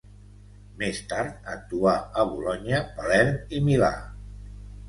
Més tard actuà a Bolonya, Palerm i Milà.